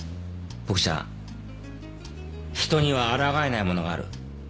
ボクちゃん人にはあらがえないものがある。